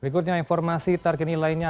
berikutnya informasi target nilainya